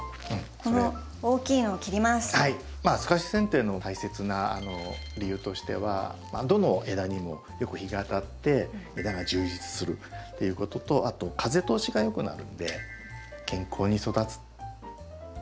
すかしせん定の大切な理由としてはどの枝にもよく日が当たって枝が充実するっていうこととあと風通しが良くなるので健康に育つ。